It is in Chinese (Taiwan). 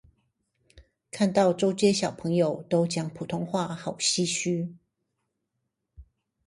見到週街小朋友都講普通話好唏噓